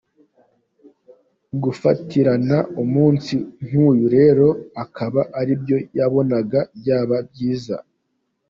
Gufatirana umunsi nk’uyu rero akaba aribyo yabonaga byaba byiza.